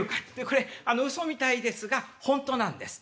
これうそみたいですが本当なんです。